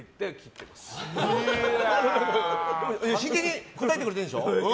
真剣に答えてくれてるんでしょ。